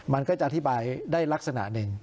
มันก็จะอธิบายได้ลักษณะหนึ่ง